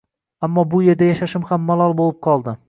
Ammo bu erda yashashim ham malol bo`lib qoldi